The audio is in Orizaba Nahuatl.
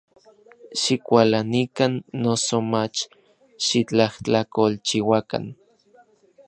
Xikualanikan, noso mach xitlajtlakolchiuakan.